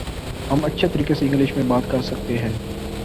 ہم اچھے طریقے سے انگلش میں بات کر سکتے ہیں